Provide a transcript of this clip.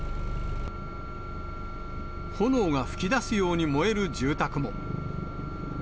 炎が噴き出すように燃える住宅も。